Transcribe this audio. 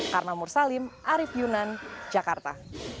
karna mursalim arief yunan jakarta